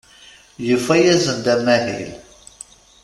Yufa-asen-d amahil.